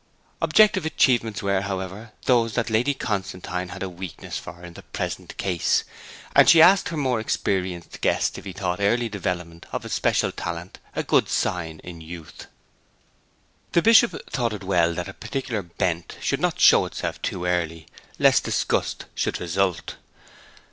Objective achievements were, however, those that Lady Constantine had a weakness for in the present case, and she asked her more experienced guest if he thought early development of a special talent a good sign in youth. The Bishop thought it well that a particular bent should not show itself too early, lest disgust should result.